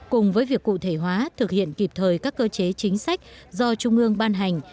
cùng với việc cụ thể hóa thực hiện kịp thời các cơ chế chính sách do trung ương ban hành